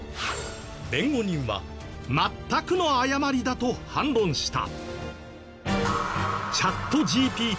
弁護人は全くの誤りだと反論した。